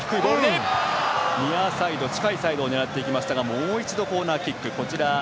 ニアサイド近いサイド狙っていきましたがもう一度、コーナーキック。